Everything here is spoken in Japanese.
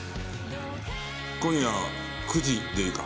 今夜９時でいいか？